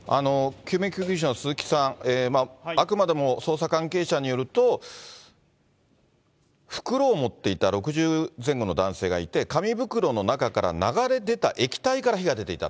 救命救急士の鈴木さん、あくまでも捜査関係者によると、袋を持っていた６０前後の男性がいて、紙袋の中から流れ出た液体から火が出ていた。